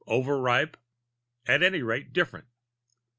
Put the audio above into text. Overripe? At any rate, different.